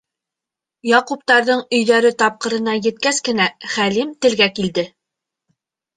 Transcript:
Яҡуптарҙың өйҙәре тапҡырына еткәс кенә Хәлим телгә килде: